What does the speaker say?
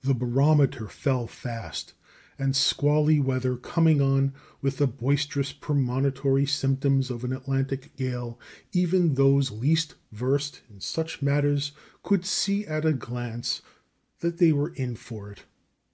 The barometer fell fast, and squally weather coming on with the boisterous premonitory symptoms of an Atlantic gale, even those least versed in such matters could see at a glance that they were "in for it."